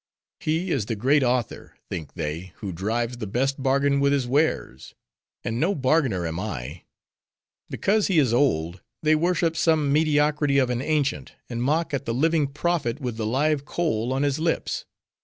He is the great author, think they, who drives the best bargain with his wares: and no bargainer am I. Because he is old, they worship some mediocrity of an ancient, and mock at the living prophet with the live coal on his lips.